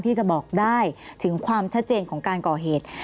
ที่จะบอกได้ถึงความชัดเจนของการก่อเหตุ